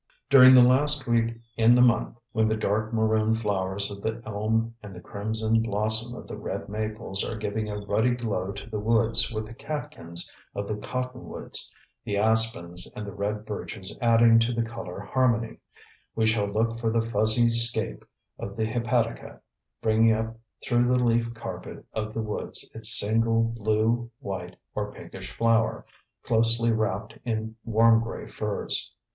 During the last week in the month, when the dark maroon flowers of the elm and the crimson blossom of the red maples are giving a ruddy glow to the woods with the catkins of the cotton woods, the aspens and the red birches adding to the color harmony, we shall look for the fuzzy scape of the hepatica, bringing up through the leaf carpet of the woods its single blue, white or pinkish flower, closely wrapped in warm gray furs.